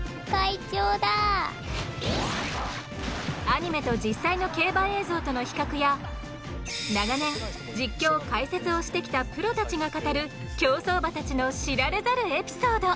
アニメと実際の競馬映像との比較や長年実況・解説をしてきたプロたちが語る競走馬たちの知られざるエピソード。